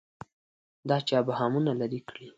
دا چې ابهامونه لري کړي.